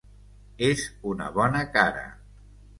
És una bona cara.